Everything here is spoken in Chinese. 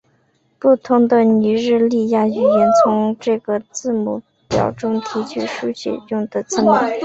不同的尼日利亚语言从这个字母表中提取书写用的字母。